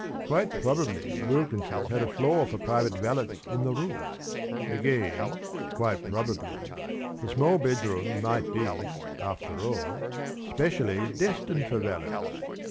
Quite probably Wilkins's had a floor for private valets in the roof. Again, quite probably, the small bedroom might be after all specially destined for valets!